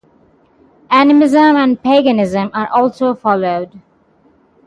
Animism and Paganism are also followed.